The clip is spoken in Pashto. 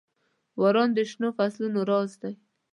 • باران د شنو فصلونو راز دی.